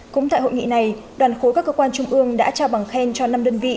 cũng tại hội nghị này đoàn khối các cơ quan trung ương đã trao bằng khen cho năm đơn vị